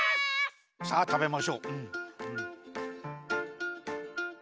さあ食べましょう。